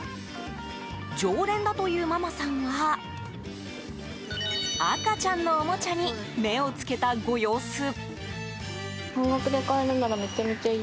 常連だというママさんは赤ちゃんのおもちゃに目をつけたご様子。